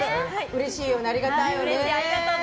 うれしいよね、ありがたいよね。